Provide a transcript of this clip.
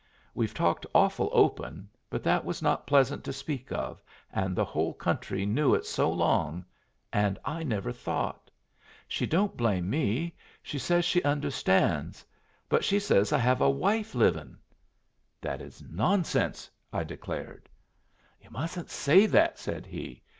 We've talked awful open, but that was not pleasant to speak of, and the whole country knew it so long and I never thought! She don't blame me. She says she understands; but she says I have a wife livin'." "That is nonsense," I declared. "Yu' mustn't say that," said he.